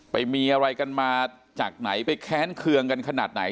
ไปมีอะไรกันมาจากไหนไปแค้นเคืองกันขนาดไหน